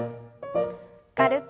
軽く。